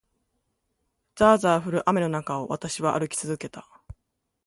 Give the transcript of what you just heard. ざあざあ降る雨の中を、私は歩き続けた。